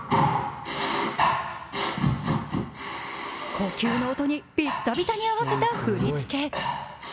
呼吸の音にビッタビタに合わせた振り付け。